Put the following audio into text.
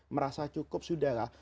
merasa cukup sudahlah